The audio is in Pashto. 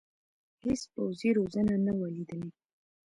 هېڅ پوځي روزنه نه وه لیدلې.